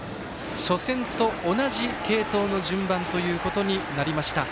初戦と同じ継投の順番ということになりました。